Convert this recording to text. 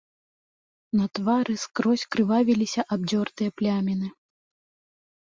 На твары скрозь крывавіліся абдзёртыя пляміны.